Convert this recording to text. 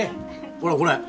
ほらこれ。